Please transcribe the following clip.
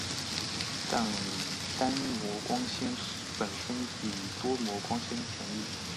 但单模光纤本身比多模光纤便宜。